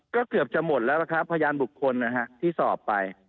ก็เกือบจะหมดแล้วนะครับพยานบุคคลนะฮะที่สอบไป